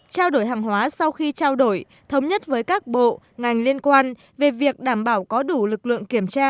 trao đổi hàng hóa sau khi trao đổi thống nhất với các bộ ngành liên quan về việc đảm bảo có đủ lực lượng kiểm tra